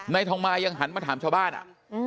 นายทองมายังหันมาถามชาวบ้านอ่ะ